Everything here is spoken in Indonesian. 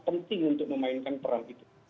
penting untuk memainkan peran itu